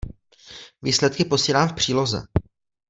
Výsledky posílám v příloze.